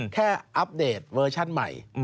อัปเดตเวอร์ชั่นใหม่